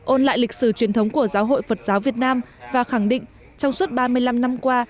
ôn lại lịch sử truyền thống của giáo hội phật giáo việt nam và khẳng định trong suốt ba mươi năm năm qua